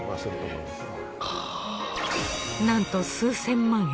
なんと数千万円！